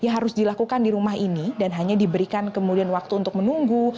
harus dilakukan di rumah ini dan hanya diberikan kemudian waktu untuk menunggu